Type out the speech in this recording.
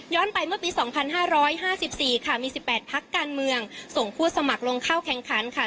ไปเมื่อปี๒๕๕๔ค่ะมี๑๘พักการเมืองส่งผู้สมัครลงเข้าแข่งขันค่ะ